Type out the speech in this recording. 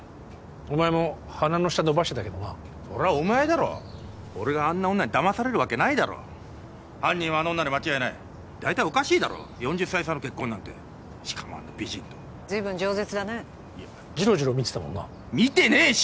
お前も鼻の下のばしてたけどなそれはお前だろ俺があんな女にだまされるわけないだろ犯人はあの女に間違いない大体おかしいだろ４０歳差の結婚なんてしかもあんな美人とずいぶん饒舌だねジロジロ見てたもんな見てねえし！